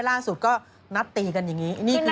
ล่าสุดก็นัดตีกันอย่างนี้